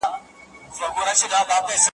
بیا به سېل د شوپرکو له رڼا وي تورېدلی ,